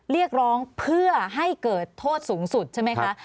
เรียกร้องเพื่อให้เกิดโทษสูงสุดใช่ไหมคะ